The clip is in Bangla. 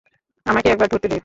আমাকে একবার ধরতে দে।